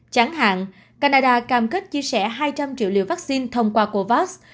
chẳng hạn canada cam kết chia sẻ hai trăm linh triệu liều vắc xin thông qua covax